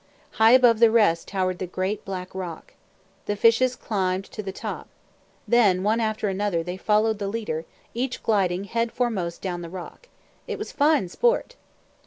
High above the rest towered the great, black rock. The fishes climbed to the top Then, one after another, they followed the leader, each gliding head foremost down the rock. It was fine sport!